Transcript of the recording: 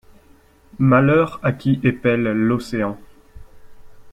Malheur à qui épelle l’océan!